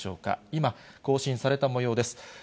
今、更新されたもようです。